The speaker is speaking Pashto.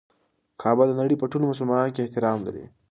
کعبه د نړۍ په ټولو مسلمانانو کې احترام لري.